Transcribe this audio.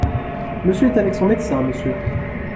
Monsieur est avec son médecin, Monsieur.